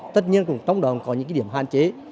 tất nhiên trong đó còn có những điểm hạn chế